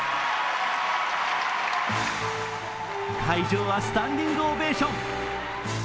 会場はスタンディングオベーション。